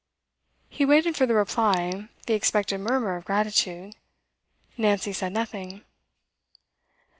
He waited for the reply, the expected murmur of gratitude. Nancy said nothing.